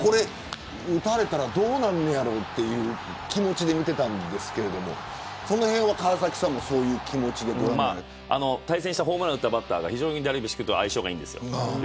打たれたらどうなるんやろうという気持ちで見ていたんですけどそのへんは川崎さんも対戦したホームランを打ったバッターが非常にダルビッシュと相性がいいんです。